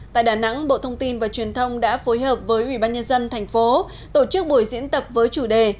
tại đà nẵng bộ thông tin và truyền thông đã phối hợp với ubnd tp tổ chức buổi diễn tập với chủ đề